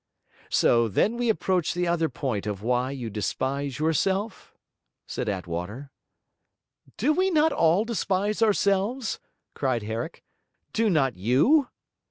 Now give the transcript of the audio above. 'So then we approach the other point of why you despise yourself?' said Attwater. 'Do we not all despise ourselves?' cried Herrick. 'Do not you?'